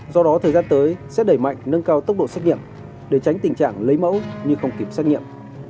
do đó thời gian tới sẽ đẩy mạnh nâng cao tốc độ xét nghiệm để tránh tình trạng lấy mẫu nhưng không kịp xét nghiệm